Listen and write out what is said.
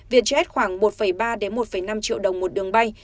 việt jet khoảng một ba một năm triệu đồng một đường bay